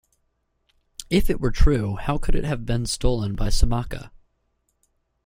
If it were true, how could it have been stolen by Somaka?